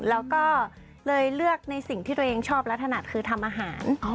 แล้วก็เลยเลือกในสิ่งที่ตัวเองชอบและถนัดคือทำอาหาร